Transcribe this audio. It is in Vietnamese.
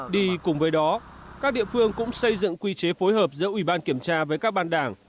đi cùng với đó các địa phương cũng xây dựng quy chế phối hợp giữa ủy ban kiểm tra với các ban đảng